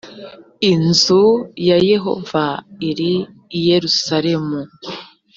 inzu ya yehova iri i yerusalemu